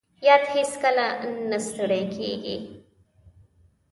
باد هیڅکله نه ستړی کېږي